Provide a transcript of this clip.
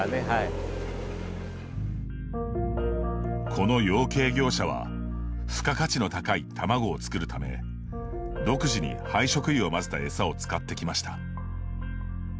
この養鶏業者は付加価値の高い卵を作るため独自に廃食油を混ぜた餌を使ってきました。